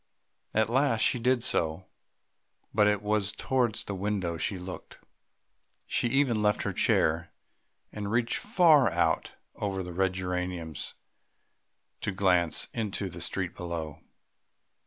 At last she did so, but it was towards the window she looked. She even left her chair and reached far out over the red geraniums to glance into the street below.